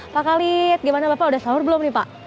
pak khalid gimana bapak udah sahur belum nih pak